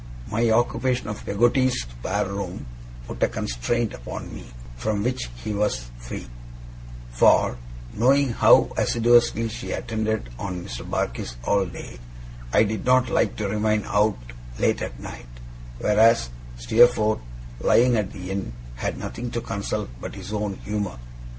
My occupation of Peggotty's spare room put a constraint upon me, from which he was free: for, knowing how assiduously she attended on Mr. Barkis all day, I did not like to remain out late at night; whereas Steerforth, lying at the Inn, had nothing to consult but his own humour.